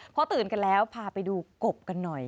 พอตื่นกันแล้วพาไปดูกบกันหน่อย